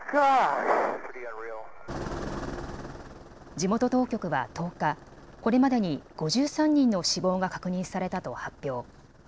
地元当局は１０日これまでに５３人の死亡が確認されたと発表。